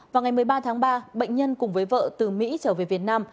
vào ngày một mươi ba tháng ba bệnh nhân cùng với vợ từ mỹ trở về việt nam